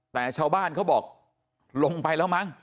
แต่ชาวบ้านเขาบอกลงไปแล้วมั้ง